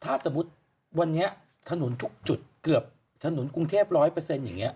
ถ้าสมมุติวันนี้ถนนทุกจุดเกือบถนนกรุงเทพ๑๐๐อย่างนี้